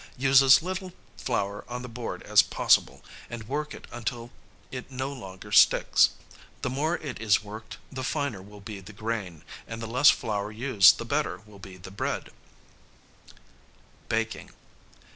Use as little flour on the board as possible, and work it until it no longer sticks. The more it is worked the finer will be the grain, and the less flour used the better will be the bread. [Sidenote: Baking.